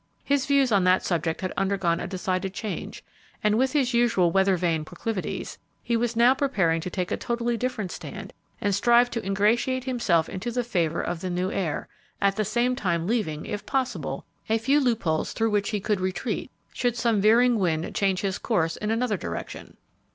His views on that subject had undergone a decided change, and, with his usual weathervane proclivities, he was now preparing to take a totally different stand and strive to ingratiate himself into the favor of the new heir, at the same time leaving, if possible, a few loop holes through which he could retreat, should some veering wind change his course in another direction.